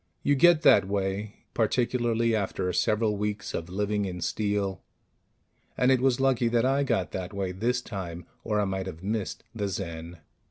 You get that way particularly after several weeks of living in steel; and it was lucky that I got that way this time, or I might have missed the Zen.